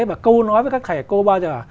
và câu nói với các thầy cô bao giờ